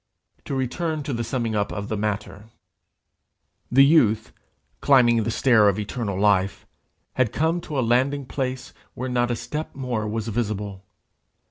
To return to the summing up of the matter: The youth, climbing the stair of eternal life, had come to a landing place where not a step more was visible.